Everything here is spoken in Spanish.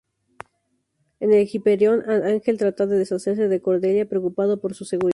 En el Hyperion, Ángel trata de deshacerse de Cordelia, preocupado por su seguridad.